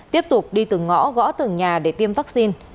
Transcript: tiếp tục đi từ ngõ gõ từ nhà để tiêm vaccine